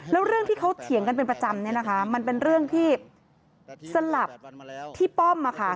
แล้วเรื่องที่เขาเถียงกันเป็นประจำเนี่ยนะคะมันเป็นเรื่องที่สลับที่ป้อม